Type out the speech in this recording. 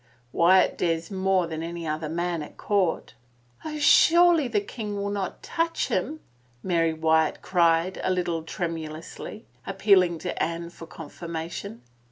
Wyatt dares more than any other man at court." " Oh, surely the king will not touch him 1 Mary Wyatt cried a little tremulously, appealing to Anne for confir mation.